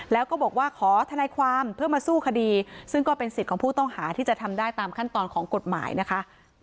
แล้วก็บอกว่าขอทนายความเพื่อมาสู้คดีซึ่งก็เป็นสิทธิ์ของผู้ต้องหาที่จะทำได้ตามขั้นตอนของกฎหมายนะคะ